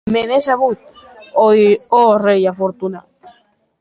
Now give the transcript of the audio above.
Me n’è sabut, ò rei afortunat!